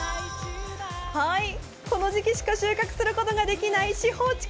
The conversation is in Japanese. この時期しか収穫することができない四方竹。